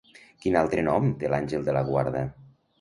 Quin altre nom té l'àngel de la guarda?